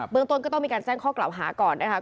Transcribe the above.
เมืองต้นก็ต้องมีการแจ้งข้อกล่าวหาก่อนนะคะ